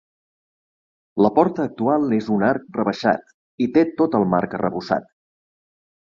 La porta actual és un arc rebaixat i té tot el marc arrebossat.